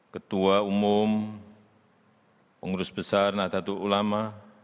ketua umum pengurus besar nahdlatul ulama